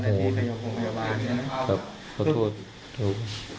โมโหครับขอโทษถูก